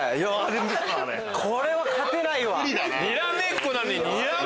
これは勝てないわ。